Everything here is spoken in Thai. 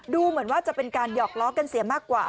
ดูเหมือนว่าจะเป็นการหยอกล้อกันเสียมากกว่า